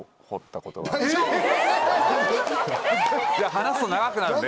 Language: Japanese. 話すと長くなるんで。